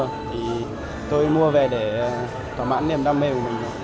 thì tôi mua về để thỏa mãn niềm đam mê của mình